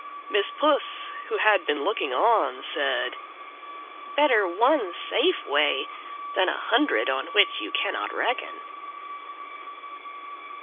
Miss Puss, who had been looking on, said: "BETTER ONE SAFE WAY THAN A HUNDRED ON WHICH YOU CANNOT RECKON."